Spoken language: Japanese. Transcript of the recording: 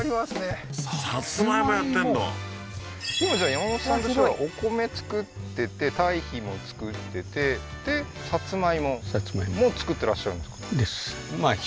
今じゃあ山本さんとしてはお米作ってて堆肥も作っててでさつまいもも作ってらっしゃるんですか？